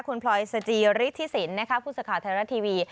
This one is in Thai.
คุณพลอยสจริทธิสินผู้สักข่าวไทยรัตน์ทีวี